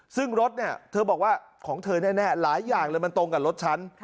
ซึ่งรถเนี่ยเธอบอกว่าของเธอแน่หลายอย่างเลยมันตรงกับรถฉัน